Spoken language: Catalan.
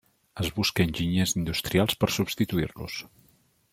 Es busca enginyers industrials per substituir-los.